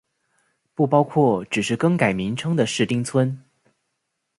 不包括只是更改名称的市町村。